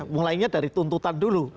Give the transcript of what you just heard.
mulainya dari tuntutan dulu